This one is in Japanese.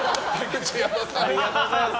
ありがとうございます。